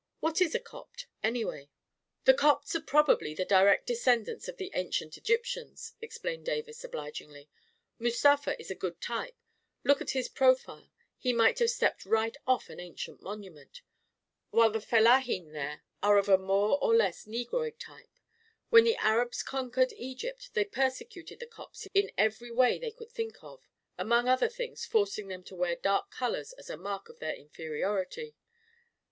~ What is a Copt, anyway?" 44 The Copts are probably the direct descendants .l^u of the ancient Egypti^g*" explained Davis oblig ~ ingly. " Mustafa is a good type — look at his pro file — he might have stepped right off an ancient monument — while the f ellahin there are of a more or less negroid type. When the Arabs conquered I f Egypt, they persecuted the Copts in every way they could think of— ^mong other things, forcing them to wear dark colon as a mark of their inferiority.